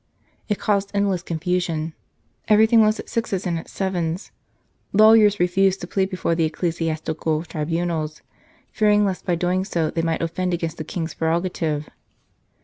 It caused endless confusion, everything was at sixes and at sevens; lawyers refused to plead before the ecclesiastical tribunals, fearing lest by doing so they might offend against the King s prerogative.